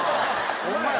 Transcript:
ホンマや。